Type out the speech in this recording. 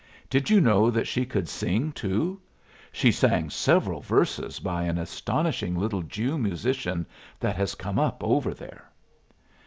"Did you know that she could sing too? She sang several verses by an astonishing little Jew musician that has come up over there."